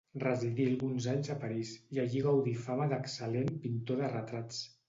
Residí alguns anys a París, i allí gaudí fama d'excel·lent pintor de retrats.